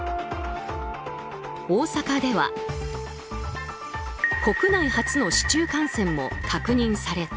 大阪では国内初の市中感染も確認された。